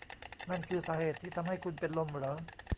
นั่นคือสาเหตุที่ทำให้คุณเป็นลมเหรอ